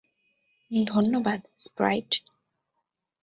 ধন্যবাদ, স্প্রাইট।